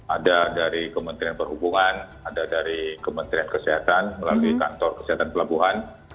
ada dari kementerian perhubungan ada dari kementerian kesehatan melalui kantor kesehatan pelabuhan